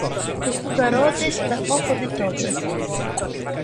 Koko ga Rhodes da, koko de tobe!